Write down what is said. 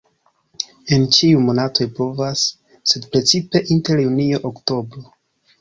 En ĉiuj monatoj pluvas, sed precipe inter junio-oktobro.